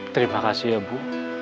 terima kasih ya bu